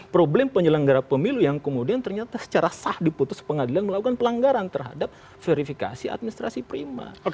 problem penyelenggara pemilu yang kemudian ternyata secara sah diputus pengadilan melakukan pelanggaran terhadap verifikasi administrasi prima